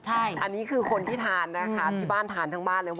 อันนี้คือคนที่ทานนะคะที่บ้านทานทั้งบ้านเลย